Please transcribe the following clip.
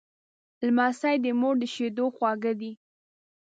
لمسی د مور د شیدو خواږه دی.